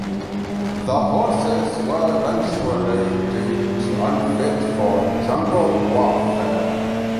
The horses were eventually deemed unfit for jungle warfare.